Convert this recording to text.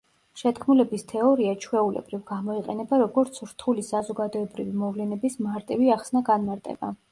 შეთქმულების თეორია, ჩვეულებრივ, გამოიყენება, როგორც რთული საზოგადოებრივი მოვლენების „მარტივი“ ახსნა—განმარტება.